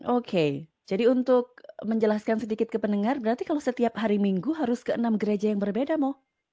oke jadi untuk menjelaskan sedikit ke pendengar berarti kalau setiap hari minggu harus ke enam gereja yang berbeda mo